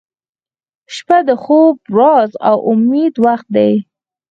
• شپه د خوب، راز، او امید وخت دی